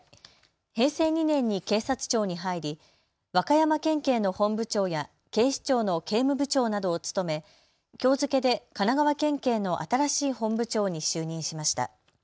平成２年に警察庁に入り和歌山県警の本部長や警視庁の警務部長などを務めきょう付けで神奈川県警の新しい本部長に就任しました。